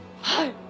はい。